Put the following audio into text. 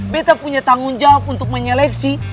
beta punya tanggung jawab untuk menyeleksi